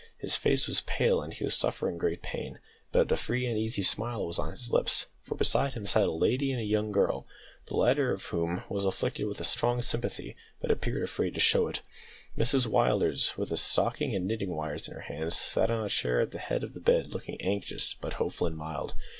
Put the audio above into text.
His face was pale, and he was suffering great pain, but a free and easy smile was on his lips, for beside him sat a lady and a young girl, the latter of whom was afflicted with strong sympathy, but appeared afraid to show it. Mrs Willders, with a stocking and knitting wires in her hands, sat on a chair at the head of the bed, looking anxious, but hopeful and mild.